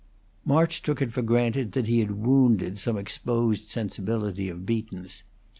March took it for granted that he had wounded some exposed sensibility of Beaton's.